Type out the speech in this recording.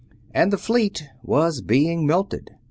And the fleet was being melted.